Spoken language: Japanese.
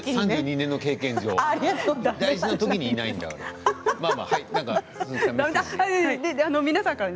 ３２年の経験上大事な時にいないんだから。